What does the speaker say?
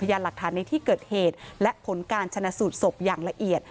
ยานหลักฐานในที่เกิดเหตุและผลการชนะสูตรศพอย่างละเอียด